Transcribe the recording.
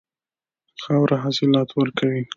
خاوره حاصلات ورکوي.